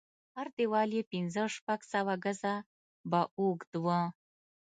هر دېوال يې پنځه شپږ سوه ګزه به اوږد و.